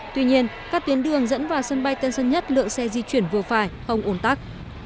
tuy nhiên các tuyến đường dẫn vào sân bay tân sơn nhất lượng xe di chuyển vừa phải không ổn tắc